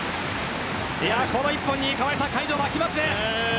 この１本に会場、沸きますね。